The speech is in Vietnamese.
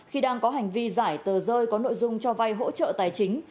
khi đang có hành vi giải tờ rơi có nội dung cho vay hỗ trợ tài chính